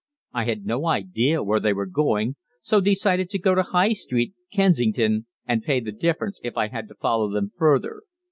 I had no idea where they were going, so decided to go to High Street, Kensington, and pay the difference if I had to follow them further.